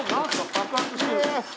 爆発して。